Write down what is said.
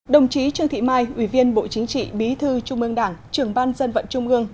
đồng chí trương thị mai ủy viên bộ chính trị bí thư trung ương đảng trưởng ban dân vận trung ương